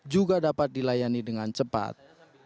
juga dapat dilayani dengan cepat